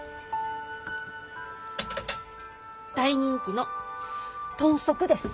大人気の豚足です。